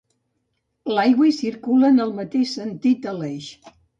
L'aigua hi circula en el mateix sentit a l'eix.